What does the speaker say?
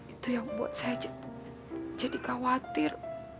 itu yang buat saya jadi khawatir